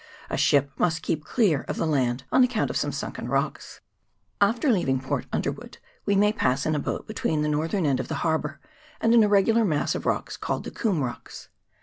A ship must keep clear of the land on account of some sunken rocks. After leav ing Port Underwood we may pass in a boat between the northern head of the harbour and an irregular mass of rocks called the Coombe Rocks.